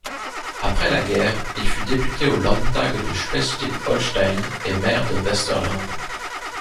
Après la guerre, il fut député au Landtag de Schleswig-Holstein et maire de Westerland.